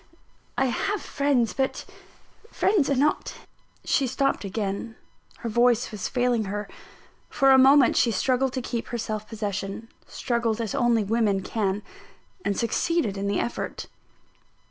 I have friends, but friends are not " She stopped again; her voice was failing her. For a moment, she struggled to keep her self possession struggled as only women can and succeeded in the effort.